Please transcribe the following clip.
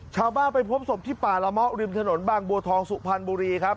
ชาวบ้านไปพบศพที่ป่าละมะริมถนนบางบัวทองสุพรรณบุรีครับ